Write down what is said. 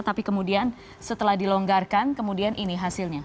tapi kemudian setelah dilonggarkan kemudian ini hasilnya